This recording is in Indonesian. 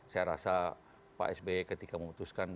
saya rasa pak asb ketika memutuskan itu